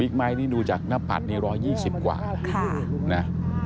บิ๊กไบท์นี่ดูจากหน้าปัดนี้รอยยี่สิบกว่าค่ะนะ